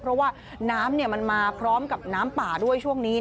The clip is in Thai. เพราะว่าน้ำมันมาพร้อมกับน้ำป่าด้วยช่วงนี้